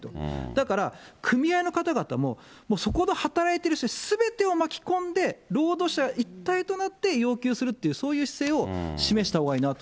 だから組合の方々も、そこの働いてる人すべてを巻き込んで、労働者一体となって要求するという、そういう姿勢を示したほうがいいなと。